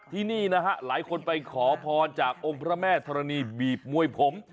ที่นี่นะฮะหลายคนไปขอพรจากองค์พระแม่ธรณีบีบมวยผม